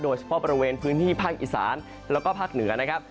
โดยเฉพาะบริเวณพื้นที่ภาคอีสานแล้วก็ภาคเหนือนะครับ